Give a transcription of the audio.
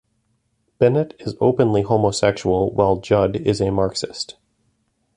Bennett is openly homosexual, while Judd is a Marxist.